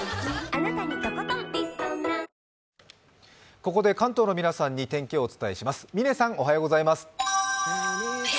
ここで関東の皆さんに天気をお伝えします。